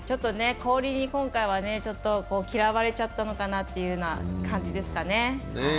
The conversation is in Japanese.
氷に今回はちょっと嫌われちゃったのかなという感じですかね。